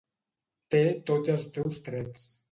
Té tots els teus trets.